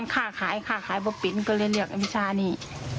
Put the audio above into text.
ข้าขายข้าขายเพราะปิ๊นก็เลยเรียกอันวิชานี้